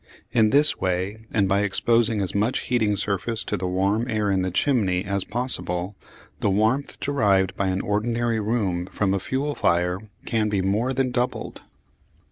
In this way, and by exposing as much heating surface to the warm air in the chimney as possible, the warmth derived by an ordinary room from a fuel fire can be more than doubled.